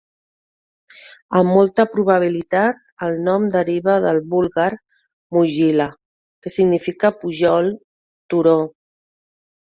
Amb molta probabilitat el nom deriva del búlgar "mogila" que significa "pujol", "turó".